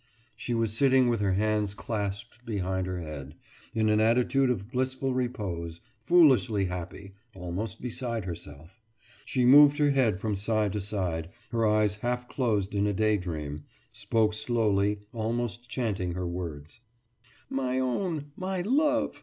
« She was sitting with her hands clasped behind her head, in an attitude of blissful repose, foolishly happy, almost beside herself. She moved her head from side to side, her eyes half closed in a daydream, spoke slowly, almost chanting her words. »My own! My love!